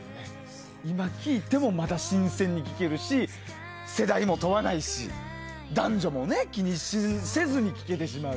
今聴いても、まだ新鮮だし世代も問わないし男女も気にせずに聴けてしまう。